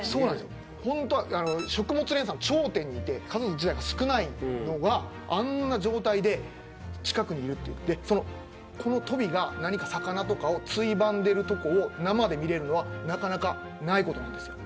食物連鎖の頂点にいて数が少ないのが、あんな状態で近くにいるということでこのトビが魚とかをついばんでいるところを生で見れるのはなかなかないことなんですよ。